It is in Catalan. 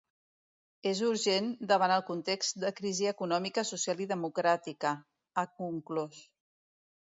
“És urgent, davant el context de crisi econòmica, social i democràtica”, ha conclòs.